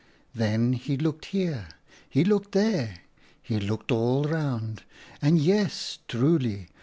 Then he looked here, he looked there, he looked all around, and yes, truly